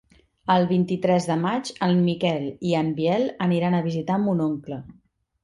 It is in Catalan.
El vint-i-tres de maig en Miquel i en Biel aniran a visitar mon oncle.